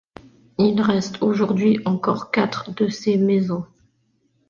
Il reste aujourd'hui encore quatre de ces maisons.